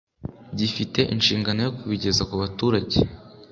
gifite inshingano yo kubigeza ku baturage